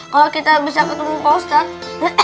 kalau kita bisa ketemu pak ustadz